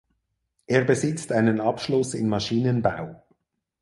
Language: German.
Er besitzt einen Abschluss in Maschinenbau.